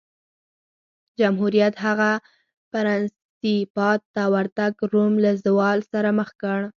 جمهوریت څخه پرنسیپات ته ورتګ روم له زوال سره مخ کړ